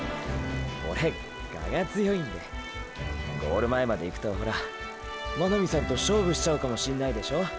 オレ我が強いんでゴール前までいくとほら真波さんと勝負しちゃうかもしんないでしょ？